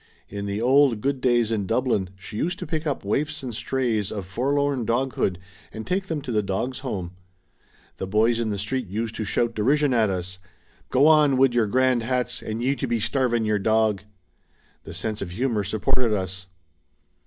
In the old, good days in Dublin she used to pick up waifs and strays of forlorn dog hood and take them to the Dogs' Home. The boys in the street used to shout derision at us: "Go on! wid yer grand hats and ye to be starvin' yer dog!" The sense of himiour supported us.